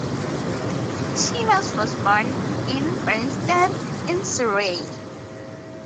Shivas was born in Banstead in Surrey.